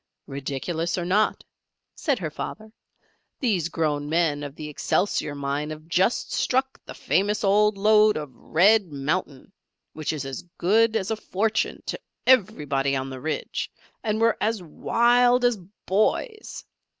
"Ridiculous or not," said her father, "these grown men of the 'Excelsior' mine have just struck the famous old lode of Red Mountain, which is as good as a fortune to everybody on the Ridge, and were as wild as boys!